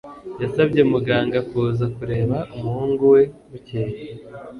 yasabye muganga kuza kureba umuhungu we bukeye